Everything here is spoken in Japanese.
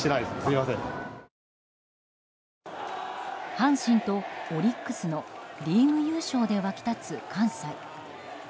阪神とオリックスのリーグ優勝で沸き立つ関西。